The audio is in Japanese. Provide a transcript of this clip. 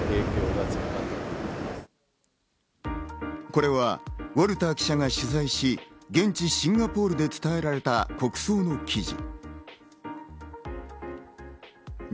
これはウォルター記者が取材し、現地・シンガポールで伝えられた国葬の記事。